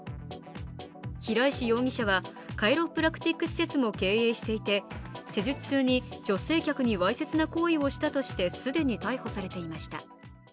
平石容疑者はカイロプラクティック施設も経営していて施術中に女性客にわいせつな行為をしたとして既に逮捕されていました。